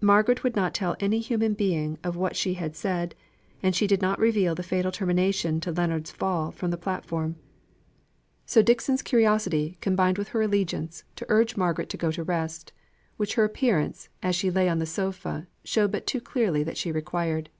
Margaret would not tell any human being of what she had said, and she did not reveal the fatal termination to Leonards' fall from the platform. So Dixon's curiosity combined with her allegiance to urge Margaret to go to rest, which her appearance, as she lay on the sofa, showed but too clearly that she required.